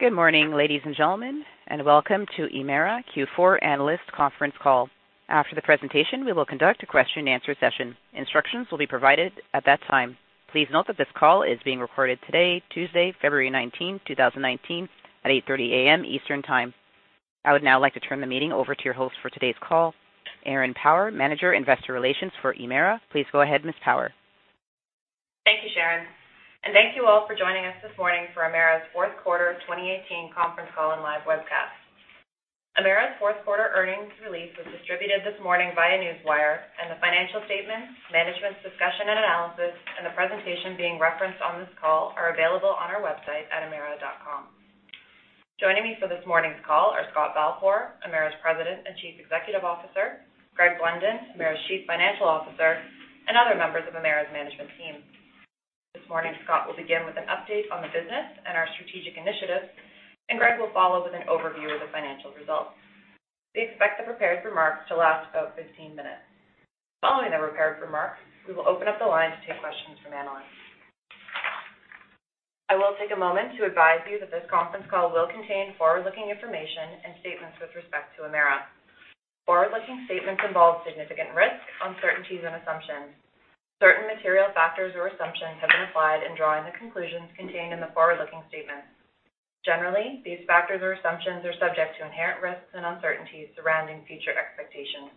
Good morning, ladies and gentlemen. Welcome to Emera Q4 Analyst Conference Call. After the presentation, we will conduct a question and answer session. Instructions will be provided at that time. Please note that this call is being recorded today, Tuesday, February 19, 2019, at 8:30 A.M. Eastern Time. I would now like to turn the meeting over to your host for today's call, Erin Power, Manager, Investor Relations for Emera. Please go ahead, Ms. Power. Thank you, Sharon. Thank you all for joining us this morning for Emera's fourth quarter 2018 conference call and live webcast. Emera's fourth-quarter earnings release was distributed this morning via Newswire, and the financial statements, Management's Discussion and Analysis, and the presentation being referenced on this call are available on our website at emera.com. Joining me for this morning's call are Scott Balfour, Emera's President and Chief Executive Officer, Greg Blunden, Emera's Chief Financial Officer, and other members of Emera's management team. This morning, Scott will begin with an update on the business and our strategic initiatives. Greg will follow with an overview of the financial results. We expect the prepared remarks to last about 15 minutes. Following the prepared remarks, we will open up the line to take questions from analysts. I will take a moment to advise you that this conference call will contain forward-looking information and statements with respect to Emera. Forward-looking statements involve significant risks, uncertainties, and assumptions. Certain material factors or assumptions have been applied in drawing the conclusions contained in the forward-looking statements. Generally, these factors or assumptions are subject to inherent risks and uncertainties surrounding future expectations.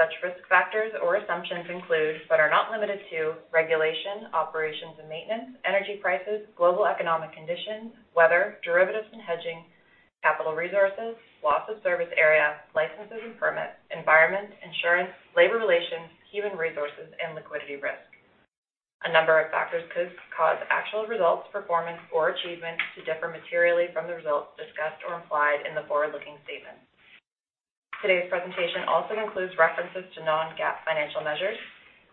Such risk factors or assumptions include, but are not limited to, regulation, operations and maintenance, energy prices, global economic conditions, weather, derivatives and hedging, capital resources, loss of service area, licenses and permits, environment, insurance, labor relations, human resources, and liquidity risk. A number of factors could cause actual results, performance, or achievements to differ materially from the results discussed or implied in the forward-looking statements. Today's presentation also includes references to non-GAAP financial measures.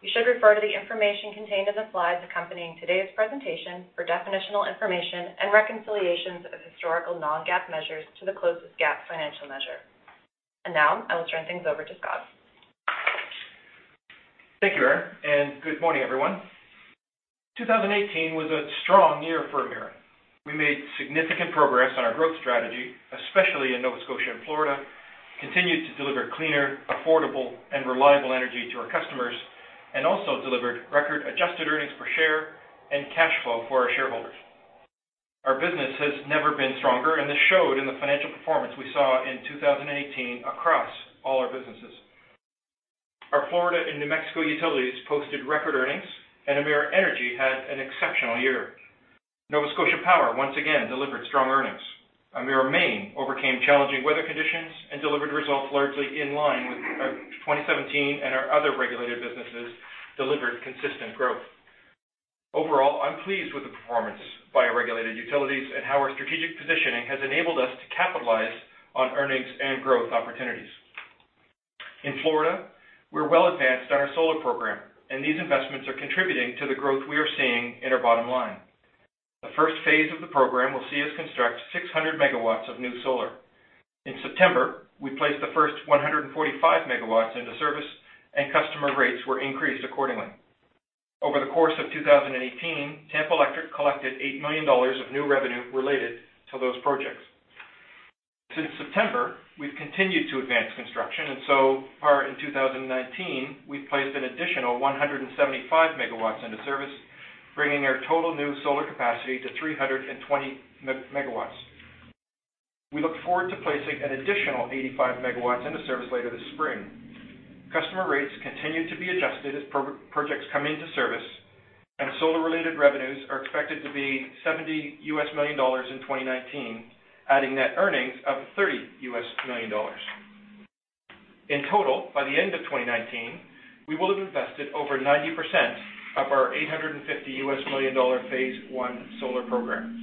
You should refer to the information contained in the slides accompanying today's presentation for definitional information and reconciliations of historical non-GAAP measures to the closest GAAP financial measure. Now, I will turn things over to Scott. Thank you, Erin, good morning, everyone. 2018 was a strong year for Emera. We made significant progress on our growth strategy, especially in Nova Scotia and Florida, continued to deliver cleaner, affordable, and reliable energy to our customers, and also delivered record adjusted earnings per share and cash flow for our shareholders. Our business has never been stronger, and this showed in the financial performance we saw in 2018 across all our businesses. Our Florida and New Mexico utilities posted record earnings, and Emera Energy had an exceptional year. Nova Scotia Power once again delivered strong earnings. Emera Maine overcame challenging weather conditions and delivered results largely in line with 2017, and our other regulated businesses delivered consistent growth. Overall, I'm pleased with the performance by our regulated utilities and how our strategic positioning has enabled us to capitalize on earnings and growth opportunities. In Florida, we're well advanced on our solar program, and these investments are contributing to the growth we are seeing in our bottom line. The first phase of the program will see us construct 600 megawatts of new solar. In September, we placed the first 145 megawatts into service and customer rates were increased accordingly. Over the course of 2018, Tampa Electric collected $8 million of new revenue related to those projects. Since September, we've continued to advance construction, and so far in 2019, we've placed an additional 175 megawatts into service, bringing our total new solar capacity to 320 megawatts. We look forward to placing an additional 85 megawatts into service later this spring. Customer rates continue to be adjusted as projects come into service, and solar-related revenues are expected to be $70 million in 2019, adding net earnings of $30 million. In total, by the end of 2019, we will have invested over 90% of our $850 million phase 1 solar program.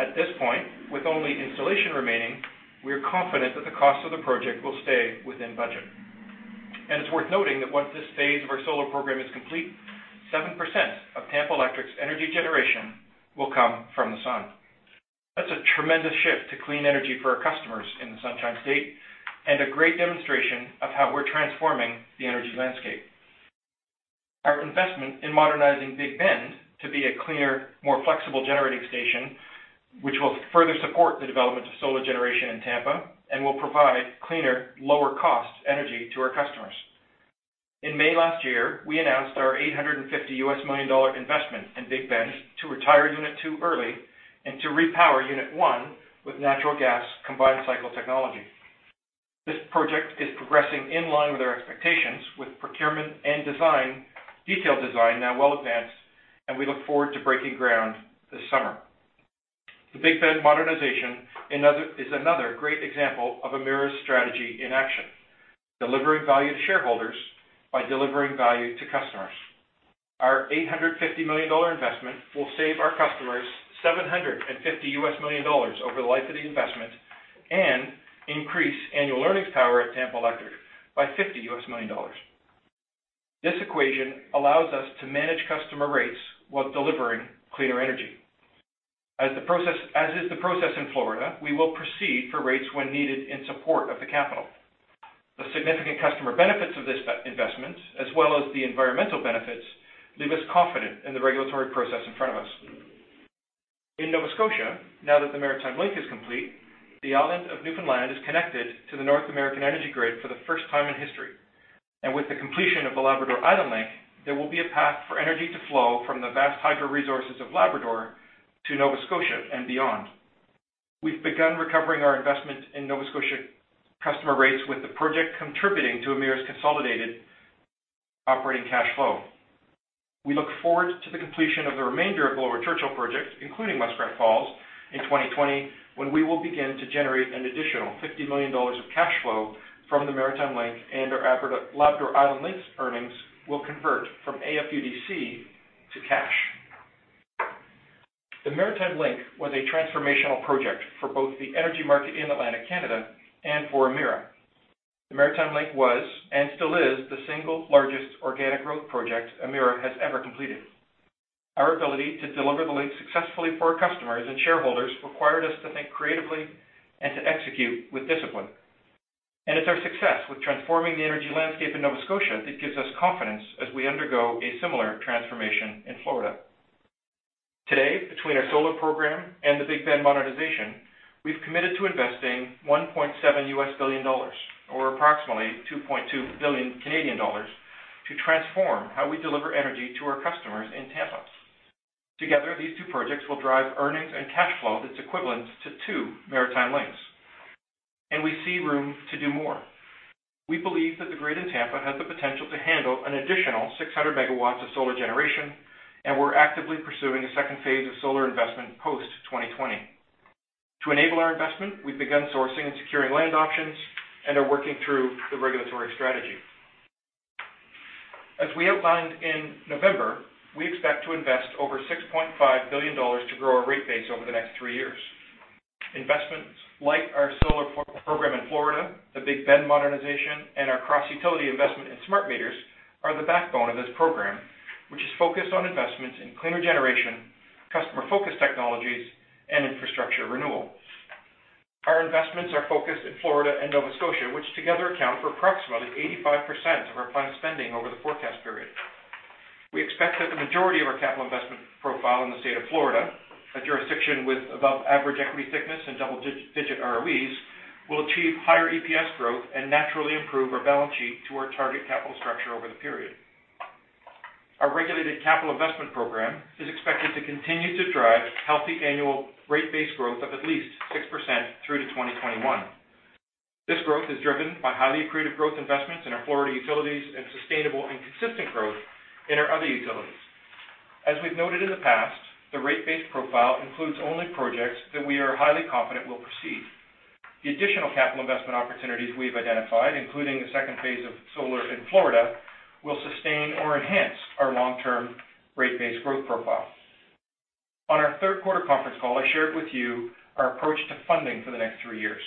At this point, with only installation remaining, we are confident that the cost of the project will stay within budget. It's worth noting that once this phase of our solar program is complete, 7% of Tampa Electric's energy generation will come from the sun. That's a tremendous shift to clean energy for our customers in the Sunshine State and a great demonstration of how we're transforming the energy landscape. Our investment in modernizing Big Bend to be a cleaner, more flexible generating station, which will further support the development of solar generation in Tampa and will provide cleaner, lower-cost energy to our customers. In May last year, we announced our $850 million investment in Big Bend to retire Unit 2 early and to repower Unit 1 with natural gas combined cycle technology. This project is progressing in line with our expectations with procurement and detailed design now well advanced, and we look forward to breaking ground this summer. The Big Bend modernization is another great example of Emera's strategy in action, delivering value to shareholders by delivering value to customers. Our $850 million investment will save our customers $750 million over the life of the investment and increase annual earnings power at Tampa Electric by $50 million. This equation allows us to manage customer rates while delivering cleaner energy. As is the process in Florida, we will proceed for rates when needed in support of the capital. The significant customer benefits of this investment, as well as the environmental benefits, leave us confident in the regulatory process in front of us. In Nova Scotia, now that the Maritime Link is complete, the island of Newfoundland is connected to the North American energy grid for the first time in history. With the completion of the Labrador-Island Link, there will be a path for energy to flow from the vast hydro resources of Labrador to Nova Scotia and beyond. We've begun recovering our investment in Nova Scotia customer rates, with the project contributing to Emera's consolidated operating cash flow. We look forward to the completion of the remainder of the Lower Churchill project, including Muskrat Falls, in 2020, when we will begin to generate an additional 50 million dollars of cash flow from the Maritime Link and our Labrador-Island Link earnings will convert from AFUDC to cash. The Maritime Link was a transformational project for both the energy market in Atlantic Canada and for Emera. The Maritime Link was and still is the single largest organic growth project Emera has ever completed. Our ability to deliver the link successfully for our customers and shareholders required us to think creatively and to execute with discipline. It's our success with transforming the energy landscape in Nova Scotia that gives us confidence as we undergo a similar transformation in Florida. Today, between our solar program and the Big Bend modernization, we've committed to investing $1.7 billion or approximately 2.2 billion Canadian dollars to transform how we deliver energy to our customers in Tampa. Together, these two projects will drive earnings and cash flow that's equivalent to two Maritime Links, and we see room to do more. We believe that the grid in Tampa has the potential to handle an additional 600 MW of solar generation, and we're actively pursuing a second phase of solar investment post-2020. To enable our investment, we've begun sourcing and securing land options and are working through the regulatory strategy. As we outlined in November, we expect to invest over 6.5 billion dollars to grow our rate base over the next three years. Investments like our solar program in Florida, the Big Bend modernization, and our cross-utility investment in smart meters are the backbone of this program, which is focused on investments in cleaner generation, customer-focused technologies, and infrastructure renewal. Our investments are focused in Florida and Nova Scotia, which together account for approximately 85% of our planned spending over the forecast period. We expect that the majority of our capital investment profile in the state of Florida, a jurisdiction with above-average equity thickness and double-digit ROEs, will achieve higher EPS growth and naturally improve our balance sheet to our target capital structure over the period. Our regulated capital investment program is expected to continue to drive healthy annual rate base growth of at least 6% through to 2021. This growth is driven by highly accretive growth investments in our Florida utilities and sustainable and consistent growth in our other utilities. As we've noted in the past, the rate base profile includes only projects that we are highly confident will proceed. The additional capital investment opportunities we've identified, including the second phase of solar in Florida, will sustain or enhance our long-term rate base growth profile. On our third quarter conference call, I shared with you our approach to funding for the next three years.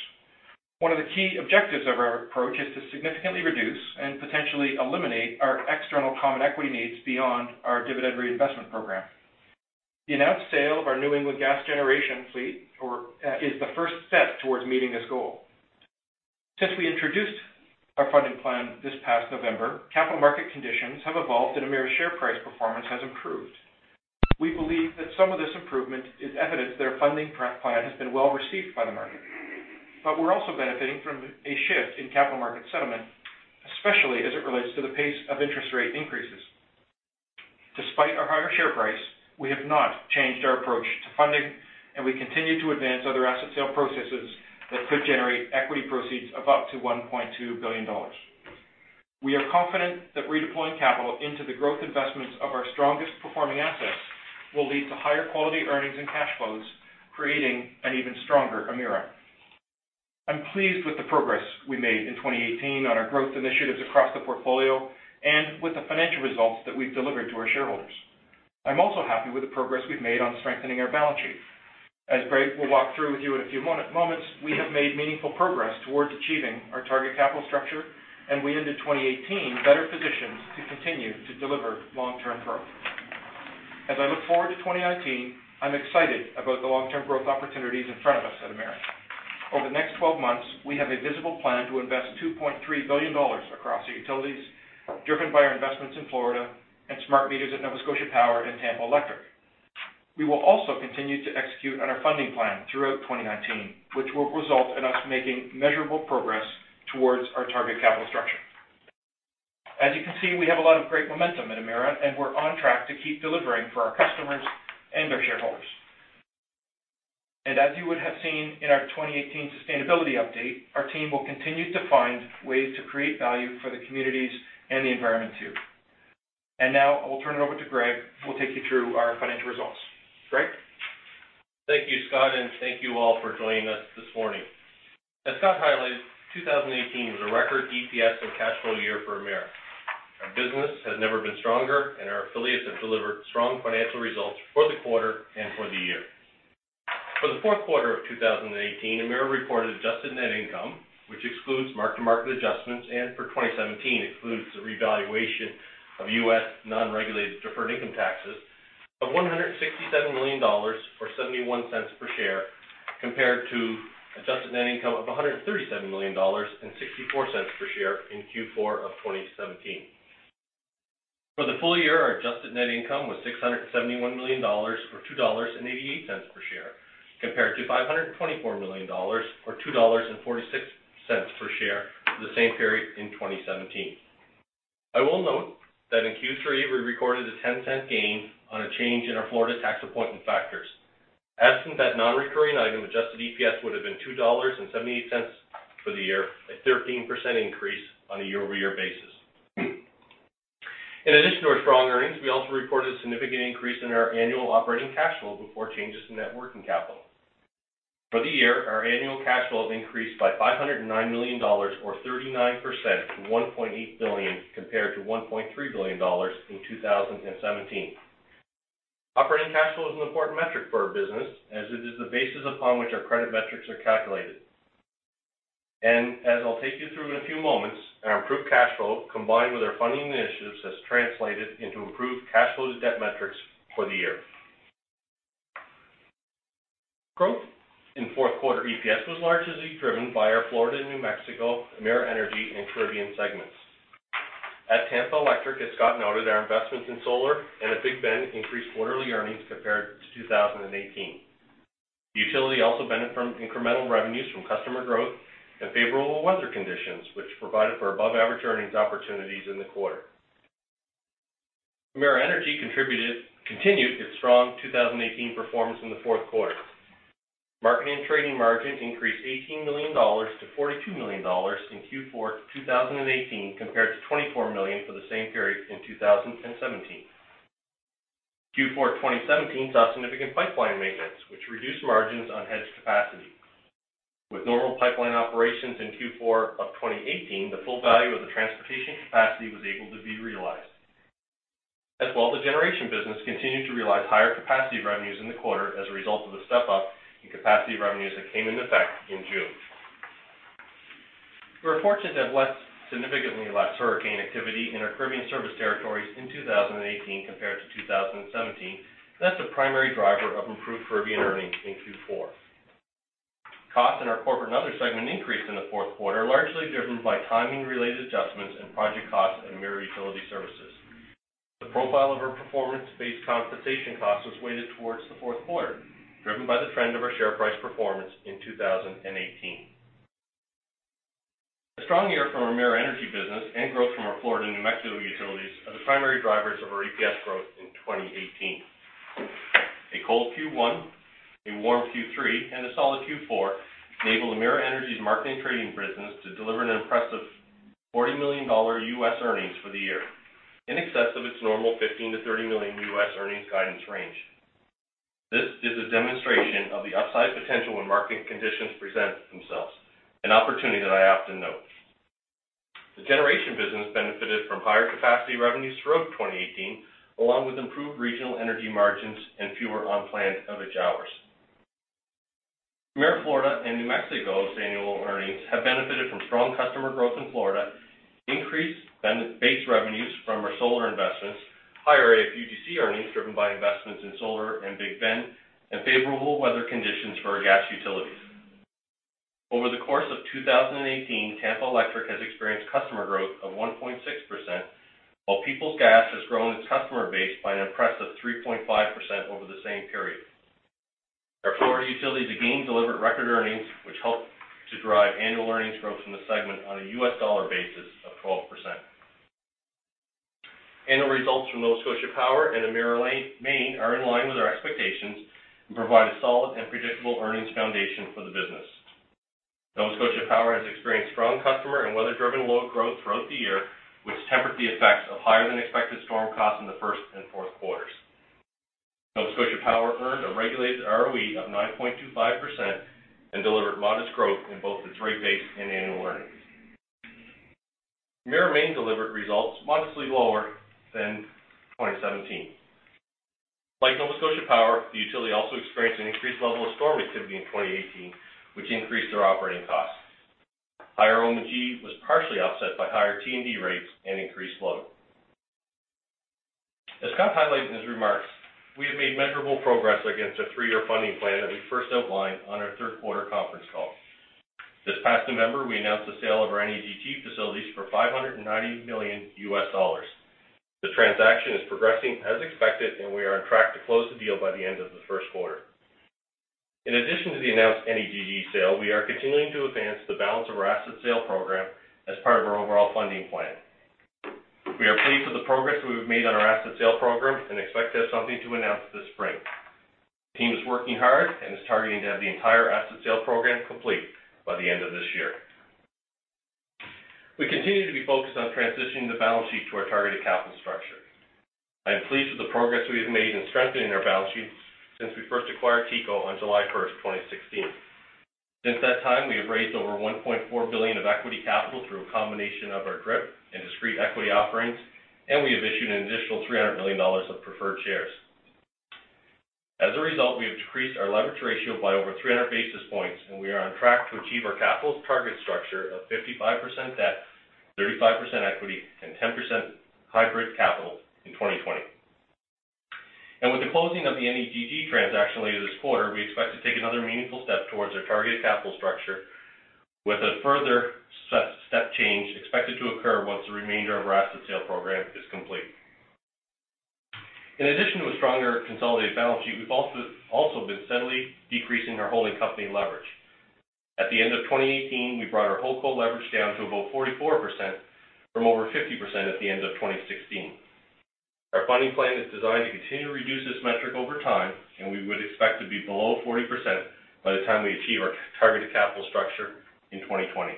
One of the key objectives of our approach is to significantly reduce and potentially eliminate our external common equity needs beyond our dividend reinvestment program. The announced sale of our New England gas generation fleet is the first step towards meeting this goal. Since we introduced our funding plan this past November, capital market conditions have evolved, and Emera's share price performance has improved. We believe that some of this improvement is evidence that our funding plan has been well-received by the market. We're also benefiting from a shift in capital market sentiment, especially as it relates to the pace of interest rate increases. Despite our higher share price, we have not changed our approach to funding, and we continue to advance other asset sale processes that could generate equity proceeds of up to 1.2 billion dollars. We are confident that redeploying capital into the growth investments of our strongest-performing assets will lead to higher quality earnings and cash flows, creating an even stronger Emera. I'm pleased with the progress we made in 2018 on our growth initiatives across the portfolio and with the financial results that we've delivered to our shareholders. I'm also happy with the progress we've made on strengthening our balance sheet. As Greg will walk through with you in a few moments, we have made meaningful progress towards achieving our target capital structure, and we ended 2018 better positioned to continue to deliver long-term growth. As I look forward to 2019, I'm excited about the long-term growth opportunities in front of us at Emera. Over the next 12 months, we have a visible plan to invest 2.3 billion dollars across the utilities, driven by our investments in Florida and smart meters at Nova Scotia Power and Tampa Electric. We will also continue to execute on our funding plan throughout 2019, which will result in us making measurable progress towards our target capital structure. You can see, we have a lot of great momentum at Emera, and we're on track to keep delivering for our customers and our shareholders. As you would have seen in our 2018 sustainability update, our team will continue to find ways to create value for the communities and the environment too. Now I will turn it over to Greg, who will take you through our financial results. Greg? Thank you, Scott, and thank you all for joining us this morning. As Scott highlighted, 2018 was a record EPS and cash flow year for Emera. Our business has never been stronger, and our affiliates have delivered strong financial results for the quarter and for the year. For the fourth quarter of 2018, Emera reported adjusted net income, which excludes mark-to-market adjustments and for 2017 includes the revaluation of U.S. non-regulated deferred income taxes of 167 million dollars or 0.71 per share. Compared to adjusted net income of 137 million dollars and 0.64 per share in Q4 2017. For the full year, our adjusted net income was 671 million dollars, or 2.88 dollars per share, compared to 524 million dollars, or 2.46 dollars per share for the same period in 2017. I will note that in Q3, we recorded a 0.10 gain on a change in our Florida tax apportionment factors. Absent that non-recurring item, adjusted EPS would have been 2.78 dollars for the year, a 13% increase on a year-over-year basis. In addition to our strong earnings, we also reported a significant increase in our annual operating cash flow before changes to net working capital. For the year, our annual cash flow increased by 509 million dollars, or 39%, to 1.8 billion, compared to 1.3 billion dollars in 2017. Operating cash flow is an important metric for our business, as it is the basis upon which our credit metrics are calculated. As I'll take you through in a few moments, our improved cash flow, combined with our funding initiatives, has translated into improved cash flow to debt metrics for the year. Growth in fourth quarter EPS was largely driven by our Florida and New Mexico, Emera Energy, and Caribbean segments. At Tampa Electric, as Scott noted, our investments in solar and at Big Bend increased quarterly earnings compared to 2018. The utility also benefited from incremental revenues from customer growth and favorable weather conditions, which provided for above-average earnings opportunities in the quarter. Emera Energy continued its strong 2018 performance in the fourth quarter. Marketing and trading margins increased 18 million dollars to 42 million dollars in Q4 2018, compared to 24 million for the same period in 2017. Q4 2017 saw significant pipeline maintenance, which reduced margins on hedged capacity. With normal pipeline operations in Q4 2018, the full value of the transportation capacity was able to be realized. As well, the generation business continued to realize higher capacity revenues in the quarter as a result of the step-up in capacity revenues that came into effect in June. We were fortunate to have significantly less hurricane activity in our Caribbean service territories in 2018 compared to 2017. That's a primary driver of improved Caribbean earnings in Q4. Costs in our Corporate and Other segment increased in the fourth quarter, largely driven by timing-related adjustments and project costs at Emera Utility Services. The profile of our performance-based compensation cost was weighted towards the fourth quarter, driven by the trend of our share price performance in 2018. A strong year from our Emera Energy business and growth from our Florida and New Mexico utilities are the primary drivers of our EPS growth in 2018. A cold Q1, a warm Q3, and a solid Q4 enabled Emera Energy's marketing and trading business to deliver an impressive $40 million U.S. earnings for the year, in excess of its normal $15 million-$30 million U.S. earnings guidance range. This is a demonstration of the upside potential when market conditions present themselves, an opportunity that I often note. The generation business benefited from higher capacity revenues throughout 2018, along with improved regional energy margins and fewer unplanned outage hours. Emera Florida and New Mexico's annual earnings have benefited from strong customer growth in Florida, increased base revenues from our solar investments, higher AFUDC earnings driven by investments in solar and Big Bend, and favorable weather conditions for our gas utilities. Over the course of 2018, Tampa Electric has experienced customer growth of 1.6%, while Peoples Gas has grown its customer base by an impressive 3.5% over the same period. Our Florida utilities again delivered record earnings, which helped to drive annual earnings growth in the segment on a U.S. dollar basis of 12%. Annual results from Nova Scotia Power and Emera Maine are in line with our expectations and provide a solid and predictable earnings foundation for the business. Nova Scotia Power has experienced strong customer and weather-driven load growth throughout the year, which tempered the effects of higher-than-expected storm costs in the first and fourth quarters. Nova Scotia Power earned a regulated ROE of 9.25% and delivered modest growth in both its rate base and annual earnings. Emera Maine delivered results modestly lower than 2017. Like Nova Scotia Power, the utility also experienced an increased level of storm activity in 2018, which increased their operating costs. Higher O&M was partially offset by higher T&D rates and increased loading. As Scott highlighted in his remarks, we have made measurable progress against a three-year funding plan that we first outlined on our third quarter conference call. This past November, we announced the sale of our NEGG facilities for $590 million U.S. The transaction is progressing as expected, and we are on track to close the deal by the end of the first quarter. In addition to the announced NEGG sale, we are continuing to advance the balance of our asset sale program as part of our overall funding plan. We are pleased with the progress we have made on our asset sale program and expect to have something to announce this spring. The team is working hard and is targeting to have the entire asset sale program complete by the end of this year. We continue to be focused on transitioning the balance sheet to our targeted capital structure. I am pleased with the progress we have made in strengthening our balance sheet since we first acquired TECO on July 1st, 2016. Since that time, we have raised over 1.4 billion of equity capital through a combination of our DRIP and discrete equity offerings, and we have issued an additional 300 million dollars of preferred shares. As a result, we have decreased our leverage ratio by over 300 basis points, and we are on track to achieve our capital target structure of 55% debt, 35% equity, and 10% hybrid capital in 2020. With the closing of the NEGG transaction later this quarter, we expect to take another meaningful step towards our targeted capital structure with a further step change expected to occur once the remainder of our asset sale program is complete. In addition to a stronger consolidated balance sheet, we've also been steadily decreasing our holdco leverage. At the end of 2018, we brought our holdco leverage down to about 44% from over 50% at the end of 2016. Our funding plan is designed to continue to reduce this metric over time, we would expect to be below 40% by the time we achieve our targeted capital structure in 2020.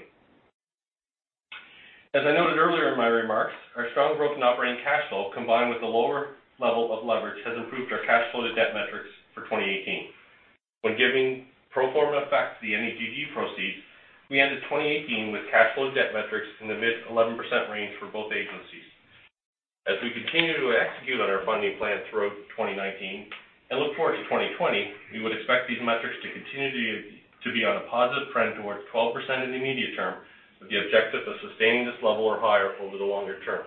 As I noted earlier in my remarks, our strong growth in operating cash flow, combined with the lower level of leverage, has improved our cash flow to debt metrics for 2018. When giving pro forma effect to the NEGG proceeds, we ended 2018 with cash flow debt metrics in the mid-11% range for both agencies. As we continue to execute on our funding plan throughout 2019 and look forward to 2020, we would expect these metrics to continue to be on a positive trend towards 12% in the immediate term, with the objective of sustaining this level or higher over the longer term.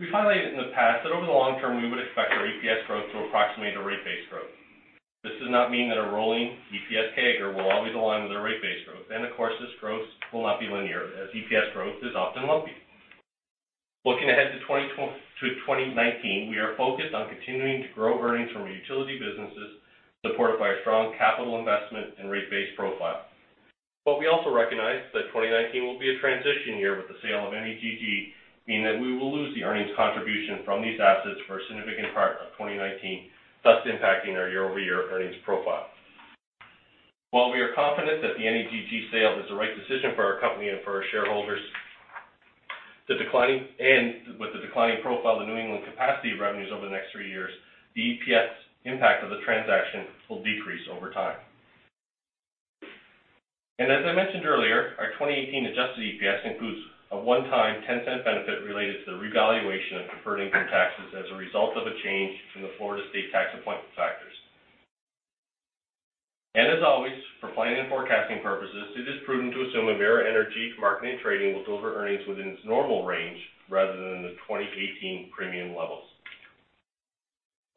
We've highlighted in the past that over the long term, we would expect our EPS growth to approximate the rate base growth. This does not mean that a rolling EPS CAGR will always align with our rate base growth. Of course, this growth will not be linear as EPS growth is often lumpy. Looking ahead to 2019, we are focused on continuing to grow earnings from our utility businesses, supported by a strong capital investment and rate base profile. We also recognize that 2019 will be a transition year with the sale of NEGG, meaning that we will lose the earnings contribution from these assets for a significant part of 2019, thus impacting our year-over-year earnings profile. While we are confident that the NEGG sale is the right decision for our company and for our shareholders, with the declining profile of the New England capacity revenues over the next three years, the EPS impact of the transaction will decrease over time. As I mentioned earlier, our 2018 adjusted EPS includes a one-time 0.10 benefit related to the revaluation of deferred income taxes as a result of a change from the Florida state tax appointment factors. As always, for planning and forecasting purposes, it is prudent to assume Emera Energy marketing and trading will deliver earnings within its normal range rather than the 2018 premium levels.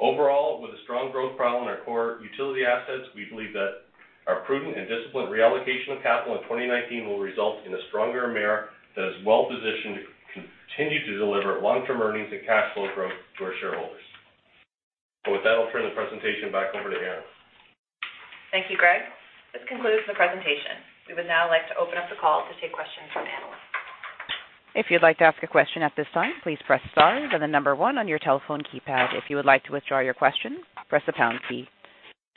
Overall, with a strong growth problem in our core utility assets, we believe that our prudent and disciplined reallocation of capital in 2019 will result in a stronger Emera that is well-positioned to continue to deliver long-term earnings and cash flow growth to our shareholders. With that, I'll turn the presentation back over to Erin. Thank you, Greg. This concludes the presentation. We would now like to open up the call to take questions from analysts. If you'd like to ask a question at this time, please press star, then the number one on your telephone keypad. If you would like to withdraw your question, press the pound key.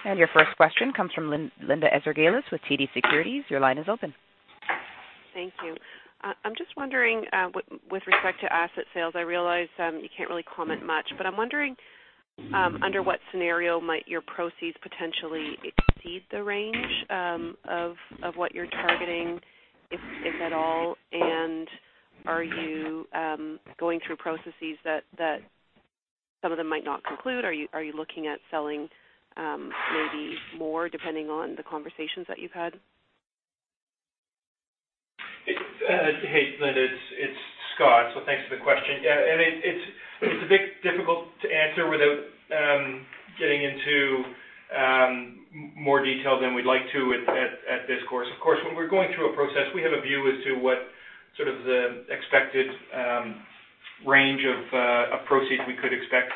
Your first question comes from Linda Ezergailis with TD Securities. Your line is open. Thank you. I'm just wondering with respect to asset sales, I realize you can't really comment much, but I'm wondering under what scenario might your proceeds potentially exceed the range of what you're targeting, if at all? Are you going through processes that some of them might not conclude? Are you looking at selling maybe more depending on the conversations that you've had? Hey, Linda, it's Scott. Thanks for the question. Yeah, it's a bit difficult to answer without getting into more detail than we'd like to at this course. Of course, when we're going through a process, we have a view as to what sort of the expected range of proceeds we could expect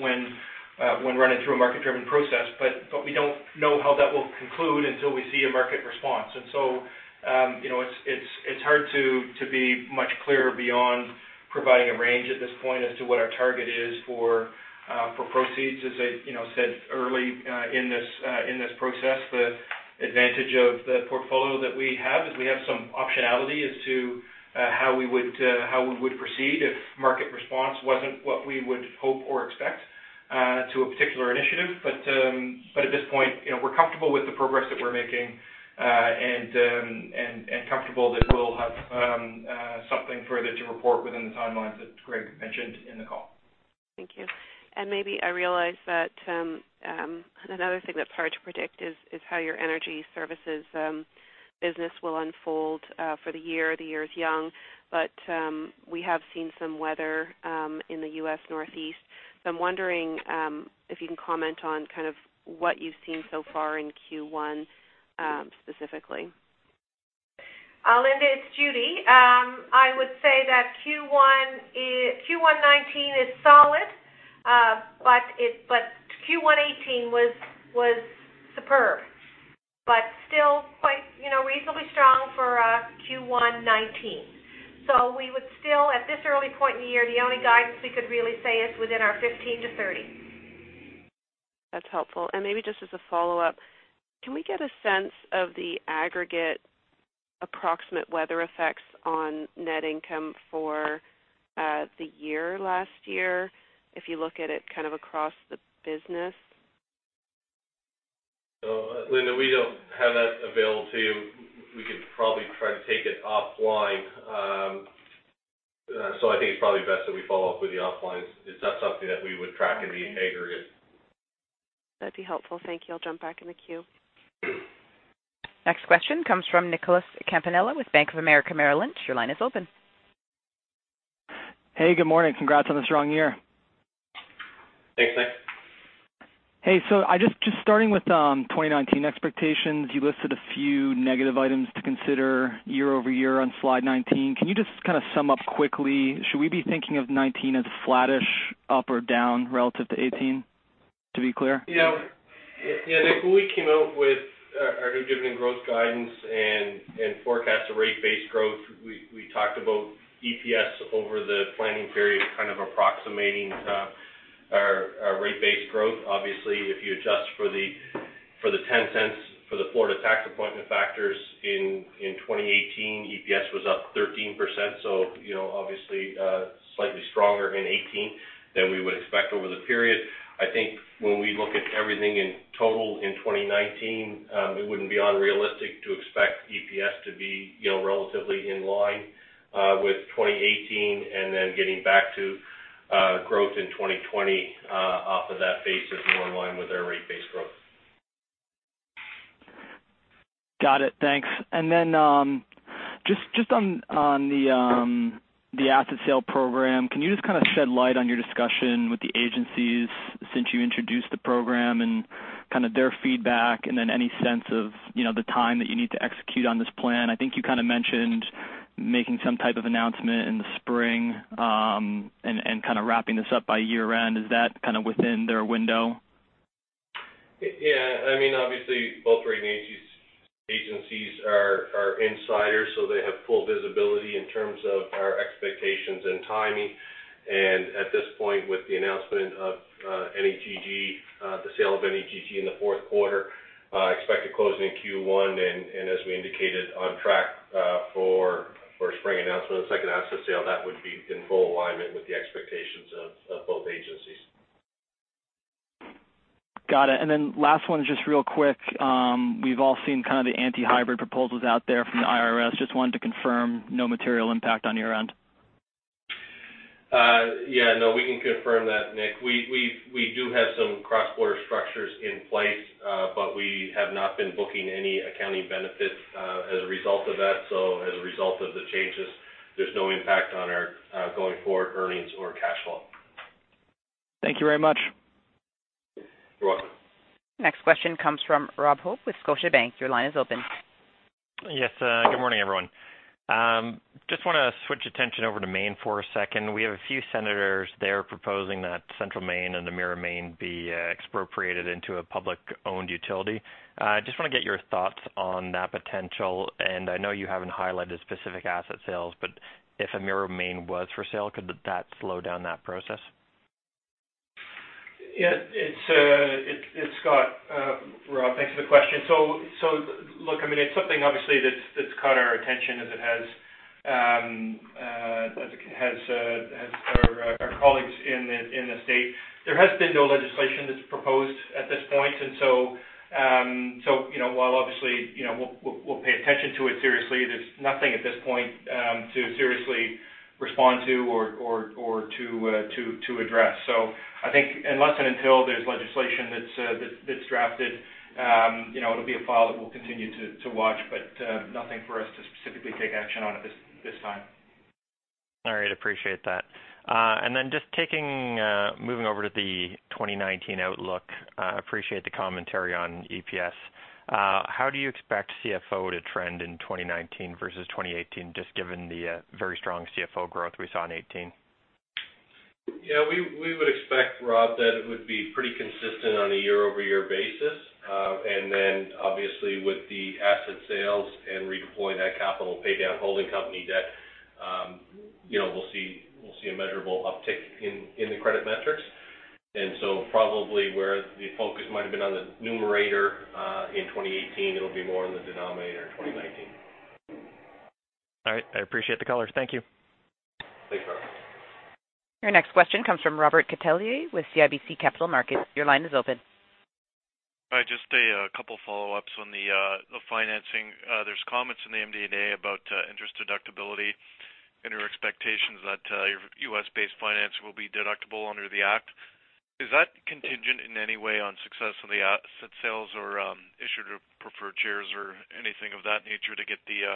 when running through a market-driven process. We don't know how that will conclude until we see a market response. It's hard to be much clearer beyond providing a range at this point as to what our target is for proceeds. As I said early in this process, the advantage of the portfolio that we have is we have some optionality as to how we would proceed if market response wasn't what we would hope or expect to a particular initiative. At this point, we're comfortable with the progress that we're making and comfortable that we'll have something further to report within the timelines that Greg mentioned in the call. Thank you. Maybe I realize that another thing that's hard to predict is how your energy services business will unfold for the year. The year is young, we have seen some weather in the U.S. Northeast. I'm wondering if you can comment on kind of what you've seen so far in Q1 specifically. Linda, it's Judy. I would say that Q1 '19 is solid. Q1 '18 was superb, but still quite reasonably strong for Q1 '19. We would still, at this early point in the year, the only guidance we could really say is within our 15 to 30. That's helpful. Maybe just as a follow-up, can we get a sense of the aggregate approximate weather effects on net income for the year last year? If you look at it kind of across the business? Linda, we don't have that available to you. We could probably try to take it offline. I think it's probably best that we follow up with you offline. It's not something that we would track in the aggregate. That'd be helpful. Thank you. I'll jump back in the queue. Next question comes from Nicholas Campanella with Bank of America Merrill Lynch. Your line is open. Hey, good morning. Congrats on the strong year. Thanks, Nicholas Campanella. Just starting with 2019 expectations, you listed a few negative items to consider year-over-year on slide 19. Can you just kind of sum up quickly, should we be thinking of 2019 as flattish, up, or down relative to 2018, to be clear? Nicholas Campanella, when we came out with our new dividend growth guidance and forecast to rate base growth, we talked about EPS over the planning period kind of approximating our rate base growth. Obviously, if you adjust for the 0.10 for the Florida tax appointment factors in 2018, EPS was up 13%. Obviously, slightly stronger in 2018 than we would expect over the period. I think when we look at everything in total in 2019, it wouldn't be unrealistic to expect EPS to be relatively in line with 2018 and then getting back to growth in 2020 off of that base is more in line with our rate base growth. Got it. Thanks. Then just on the asset sale program, can you just kind of shed light on your discussion with the agencies since you introduced the program and kind of their feedback, and then any sense of the time that you need to execute on this plan? I think you kind of mentioned making some type of announcement in the spring, and kind of wrapping this up by year-end. Is that kind of within their window? Yeah. Obviously, both rating agencies are insiders, so they have full visibility in terms of our expectations and timing. At this point, with the announcement of the sale of NEGG in the fourth quarter, expect it closing in Q1, as we indicated, on track for a spring announcement of the second asset sale. That would be in full alignment with the expectations of both agencies. Got it. Last one, just real quick. We've all seen kind of the anti-hybrid proposals out there from the IRS. Just wanted to confirm no material impact on your end. Yeah. No, we can confirm that, Nick. We do have some cross-border structures in place, but we have not been booking any accounting benefits as a result of that. As a result of the changes, there's no impact on our going-forward earnings or cash flow. Thank you very much. You're welcome. Next question comes from Rob Hope with Scotiabank. Your line is open. Yes. Good morning, everyone. Just want to switch attention over to Maine for a second. We have a few senators there proposing that Central Maine and Emera Maine be expropriated into a public-owned utility. Just want to get your thoughts on that potential. I know you haven't highlighted specific asset sales, but if Emera Maine was for sale, could that slow down that process? It's Scott. Rob, thanks for the question. Look, it's something obviously that's caught our attention as it has our colleagues in the state. There has been no legislation that's proposed at this point, while obviously, we'll pay attention to it seriously, there's nothing at this point to seriously respond to or to address. I think unless and until there's legislation that's drafted, it'll be a file that we'll continue to watch, but nothing for us to specifically take action on at this time. All right. Appreciate that. Just moving over to the 2019 outlook, appreciate the commentary on EPS. How do you expect CFO to trend in 2019 versus 2018, just given the very strong CFO growth we saw in 2018? Yeah. We would expect, Rob, that it would be pretty consistent on a year-over-year basis. Obviously, with the asset sales and redeploying that capital to pay down holding company debt, we'll see a measurable uptick in the credit metrics. Probably where the focus might have been on the numerator in 2018, it'll be more on the denominator in 2019. All right. I appreciate the color. Thank you. Thanks, Rob. Your next question comes from Robert Catellier with CIBC Capital Markets. Your line is open. Hi, just a couple follow-ups on the financing. There's comments in the MD&A about interest deductibility and your expectations that your U.S.-based finance will be deductible under the act. Is that contingent in any way on success of the asset sales or issuer preferred shares or anything of that nature to get the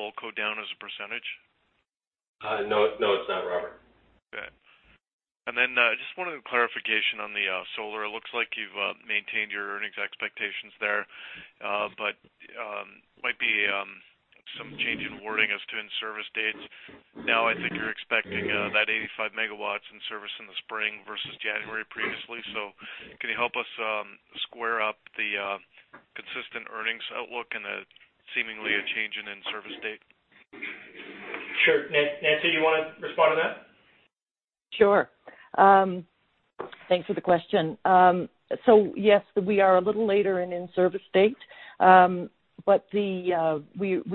holdco down as a percentage? No, it's not, Robert. Okay. Then just wanted a clarification on the solar. It looks like you've maintained your earnings expectations there. Might be some change in wording as to in-service dates. Now, I think you're expecting that 85 MW in service in the spring versus January previously. Can you help us square up the consistent earnings outlook and the seemingly a change in in-service date? Sure. Nancy, you want to respond to that? Sure. Thanks for the question. Yes, we are a little later in-service date. We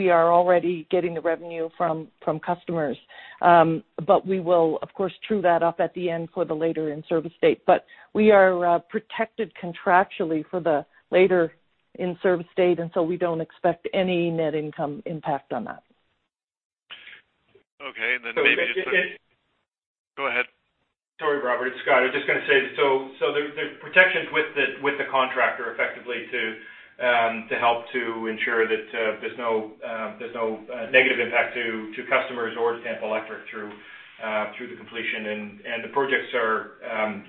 are already getting the revenue from customers. We will, of course, true that up at the end for the later in-service date. We are protected contractually for the later in-service date, we don't expect any net income impact on that. So it- Go ahead. Sorry, Robert. It's Scott. I was just going to say, there's protections with the contractor, effectively, to help to ensure that there's no negative impact to customers or to Tampa Electric through the completion. The projects,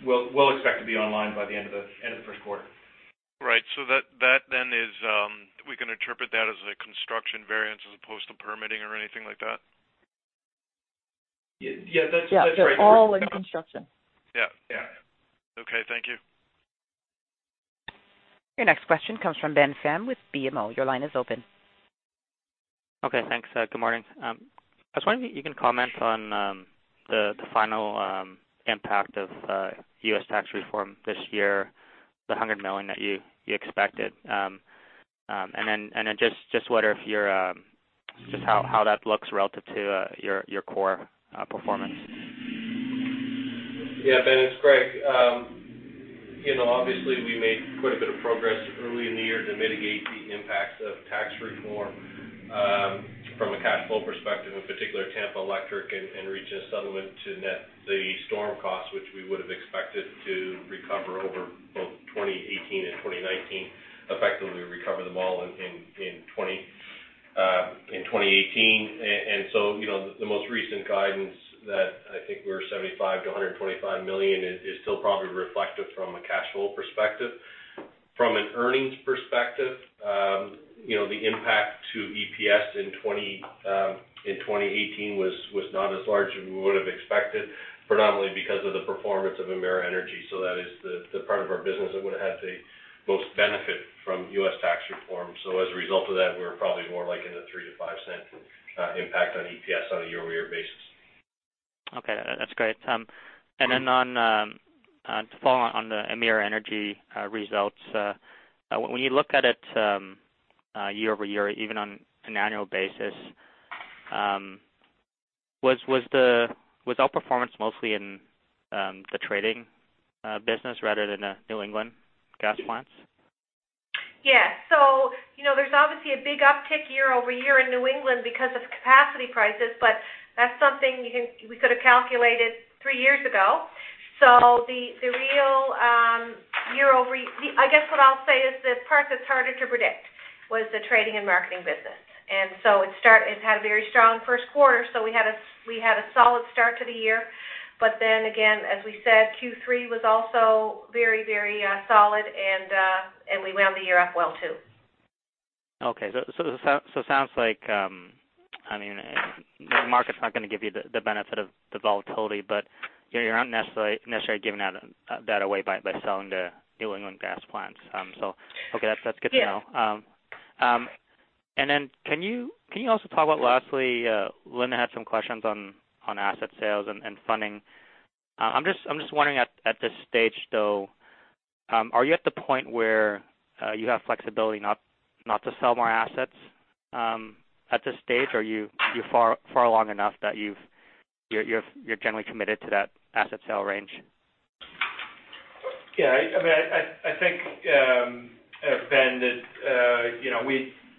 we'll expect to be online by the end of the first quarter. Right. We can interpret that as a construction variance as opposed to permitting or anything like that? Yeah, that's right. Yeah. They're all in construction. Yeah. Yeah. Okay. Thank you. Your next question comes from Ben Pham with BMO. Your line is open. Okay, thanks. Good morning. I was wondering if you can comment on the final impact of U.S. tax reform this year, the 100 million that you expected. Then just wonder how that looks relative to your core performance. Yeah, Ben, it's Greg. Obviously, we made quite a bit of progress early in the year to mitigate the impacts of tax reform. From a cash flow perspective, in particular, Tampa Electric in reaching a settlement to net the storm costs, which we would've expected to recover over both 2018 and 2019, effectively recover them all in 2018. So, the most recent guidance that I think we're 75 million-125 million is still probably reflective from a cash flow perspective. From an earnings perspective, the impact to EPS in 2018 was not as large as we would've expected, predominantly because of the performance of Emera Energy. That is the part of our business that would've had the most benefit from U.S. tax reform. As a result of that, we're probably more like in the 0.03-0.05 impact on EPS on a year-over-year basis. Okay. That's great. To follow on the Emera Energy results, when you look at it year-over-year, even on an annual basis, was out-performance mostly in the trading business rather than the New England gas plants? Yeah. There's obviously a big uptick year-over-year in New England because of capacity prices, but that's something we could've calculated three years ago. I guess what I'll say is the part that's harder to predict was the trading and marketing business. It had a very strong first quarter, we had a solid start to the year. Again, as we said, Q3 was also very solid, and we wound the year up well, too. Okay. Sounds like the market's not going to give you the benefit of the volatility, but you're not necessarily giving that away by selling the New England gas plants. Okay. That's good to know. Yeah. Can you also talk about, lastly, Linda had some questions on asset sales and funding. I'm just wondering at this stage, though, are you at the point where you have flexibility not to sell more assets at this stage? You're far along enough that you're generally committed to that asset sale range? Yeah. I think, Ben, that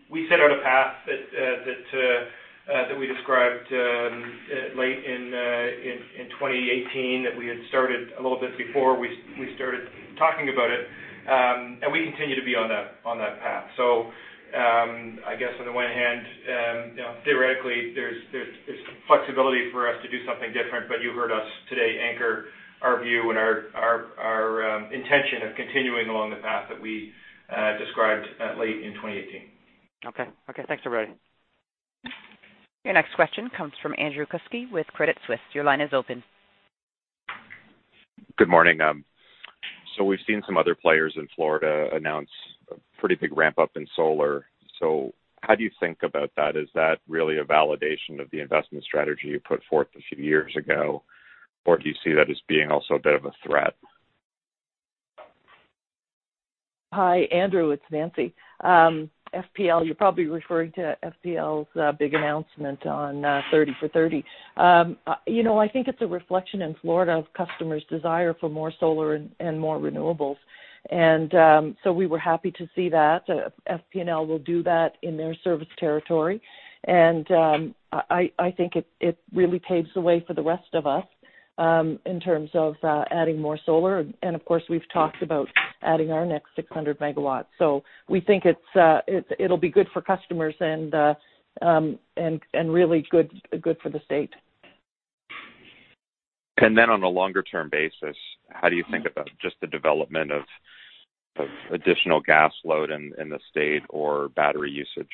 we set out a path that we described late in 2018, that we had started a little bit before we started talking about it. We continue to be on that path. I guess on the one hand, theoretically, there's flexibility for us to do something different. You heard us today anchor our view and our intention of continuing along the path that we described late in 2018. Okay. Thanks, everybody. Your next question comes from Andrew Kuske with Credit Suisse. Your line is open. Good morning. We've seen some other players in Florida announce a pretty big ramp-up in solar. How do you think about that? Is that really a validation of the investment strategy you put forth a few years ago? Do you see that as being also a bit of a threat? Hi, Andrew. It's Nancy. You're probably referring to FPL's big announcement on 30 for 30. I think it's a reflection in Florida of customers' desire for more solar and more renewables. We were happy to see that. FP&L will do that in their service territory. I think it really paves the way for the rest of us in terms of adding more solar. Of course, we've talked about adding our next 600 megawatts. We think it'll be good for customers and really good for the state. On a longer-term basis, how do you think about just the development of additional gas load in the state or battery usage?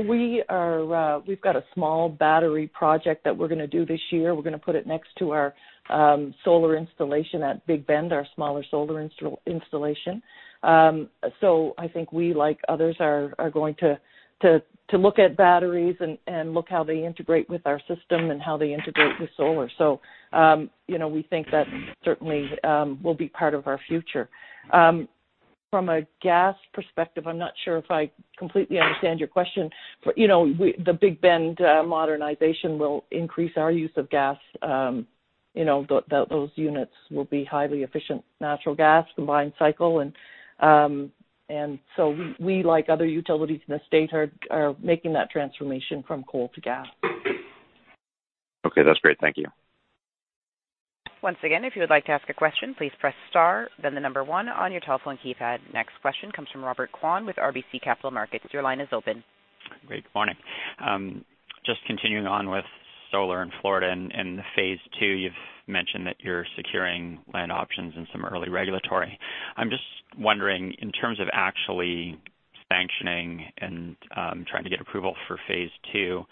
We've got a small battery project that we're going to do this year. We're going to put it next to our solar installation at Big Bend, our smaller solar installation. I think we, like others, are going to look at batteries and look how they integrate with our system and how they integrate with solar. We think that certainly will be part of our future. From a gas perspective, I'm not sure if I completely understand your question. The Big Bend modernization will increase our use of gas. Those units will be highly efficient natural gas combined cycle. We, like other utilities in the state, are making that transformation from coal to gas. Okay. That's great. Thank you. Once again, if you would like to ask a question, please press star then the number 1 on your telephone keypad. Next question comes from Robert Kwan with RBC Capital Markets. Your line is open. Great. Morning. Just continuing on with solar in Florida and the phase two, you've mentioned that you're securing land options and some early regulatory. I'm just wondering, in terms of actually sanctioning and trying to get approval for phase two,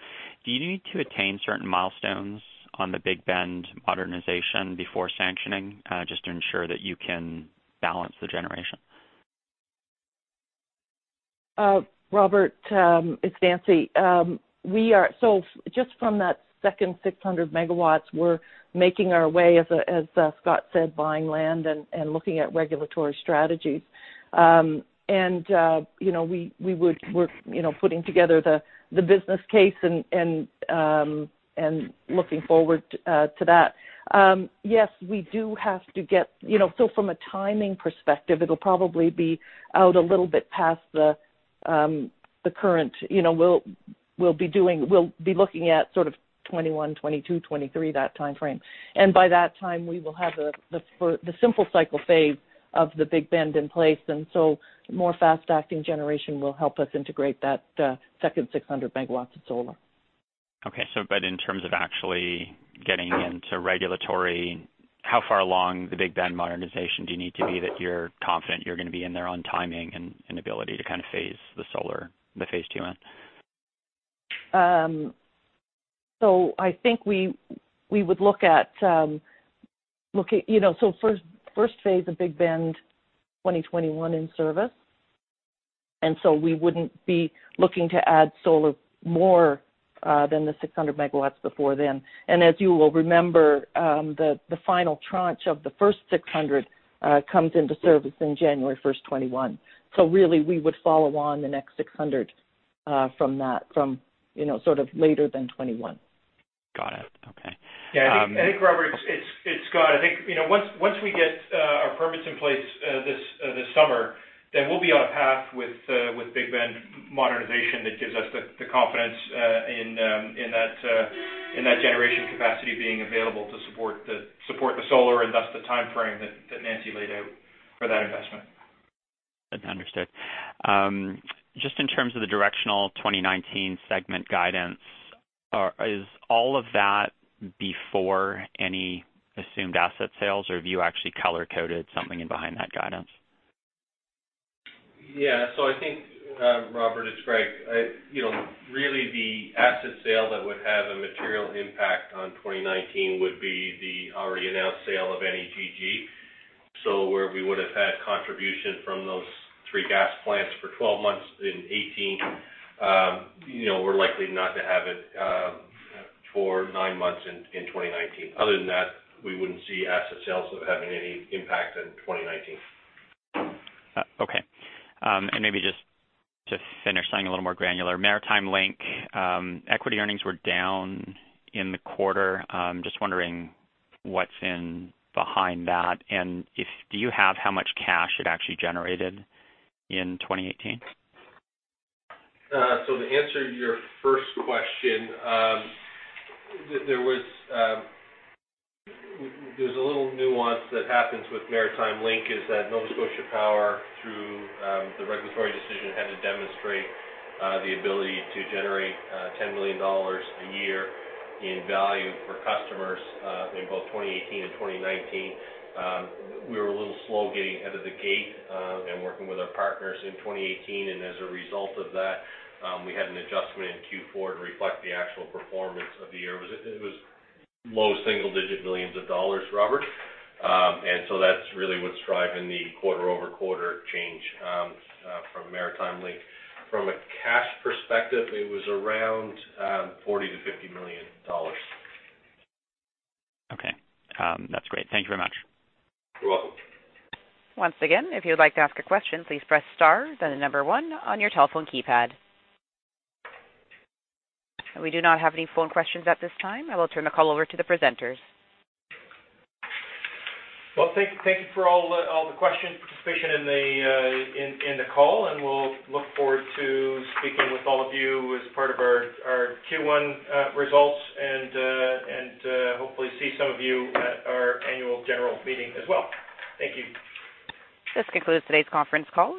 do you need to attain certain milestones on the Big Bend modernization before sanctioning just to ensure that you can balance the generation? Robert, it's Nancy. Just from that second 600 megawatts, we're making our way, as Scott said, buying land and looking at regulatory strategies. We're putting together the business case and looking forward to that. From a timing perspective, it'll probably be out a little bit past the current. We'll be looking at sort of 2021, 2022, 2023, that timeframe. By that time, we will have the simple cycle phase of the Big Bend in place, and more fast-acting generation will help us integrate that second 600 megawatts of solar. Okay. In terms of actually getting into regulatory, how far along the Big Bend modernization do you need to be that you're confident you're going to be in there on timing and ability to kind of phase the solar, the phase two in? I think we would look at, first phase of Big Bend, 2021 in service. We wouldn't be looking to add solar more than the 600 megawatts before then. As you will remember, the final tranche of the first 600 comes into service in January 1st, 2021. Really we would follow on the next 600 from that, from sort of later than 2021. Got it. Okay. I think Robert, it's Scott. I think once we get our permits in place this summer, we'll be on path with Big Bend modernization that gives us the confidence in that generation capacity being available to support the solar and thus the timeframe that Nancy laid out for that investment. Understood. Just in terms of the directional 2019 segment guidance, is all of that before any assumed asset sales, or have you actually color-coded something in behind that guidance? I think, Robert, it's Greg. Really the asset sale that would have a material impact on 2019 would be the already announced sale of NEGG. Where we would have had contribution from those three gas plants for 12 months in 2018, we're likely not to have it for nine months in 2019. Other than that, we wouldn't see asset sales of having any impact in 2019. Maybe just to finish something a little more granular. Maritime Link, equity earnings were down in the quarter. Just wondering what's in behind that, and do you have how much cash it actually generated in 2018? To answer your first question, there's a little nuance that happens with Maritime Link is that Nova Scotia Power, through the regulatory decision, had to demonstrate the ability to generate 10 million dollars a year in value for customers in both 2018 and 2019. We were a little slow getting out of the gate and working with our partners in 2018. As a result of that, we had an adjustment in Q4 to reflect the actual performance of the year. It was low single-digit millions of CAD, Robert. That's really what's driving the quarter-over-quarter change from Maritime Link. From a cash perspective, it was around 40 million-50 million dollars. That's great. Thank you very much. You're welcome. Once again, if you would like to ask a question, please press star then number 1 on your telephone keypad. We do not have any phone questions at this time. I will turn the call over to the presenters. Well, thank you for all the questions, participation in the call. We'll look forward to speaking with all of you as part of our Q1 results. Hopefully see some of you at our annual general meeting as well. Thank you. This concludes today's conference call.